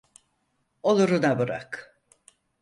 Oluruna bırak.